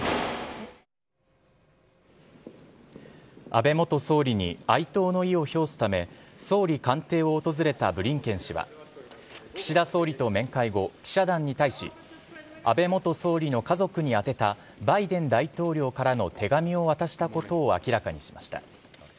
安倍元総理に哀悼の意を表すため、総理官邸を訪れたブリンケン氏は、岸田総理と面会後、記者団に対し、安倍元総理の家族に宛てたバイデン大統領からの手紙を渡したことを明らかにしました。